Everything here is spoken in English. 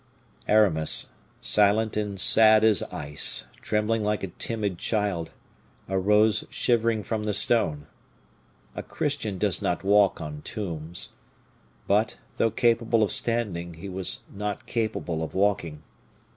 Aramis, silent and sad as ice, trembling like a timid child, arose shivering from the stone. A Christian does not walk on tombs. But, though capable of standing, he was not capable of walking.